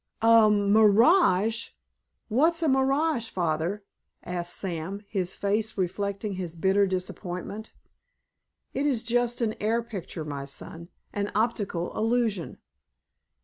"A mirage? What's a mirage, Father?" asked Sam, his face reflecting his bitter disappointment. "It is just an air picture, my son, an optical illusion."